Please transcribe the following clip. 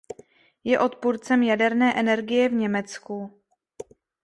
Je odpůrcem jaderné energie v Německu.